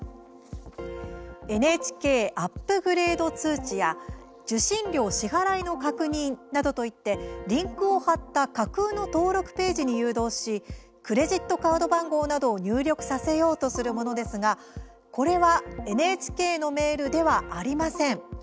ＮＨＫアップグレード通知や受信料支払いの確認などと言ってリンクを貼った架空の登録ページに誘導しクレジットカード番号などを入力させようとするものですがこれはＮＨＫのメールではありません。